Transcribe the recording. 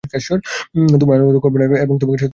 তোমার আনুগত্য করব না এবং তোমাকে সত্য বলে বিশ্বাসও করি না।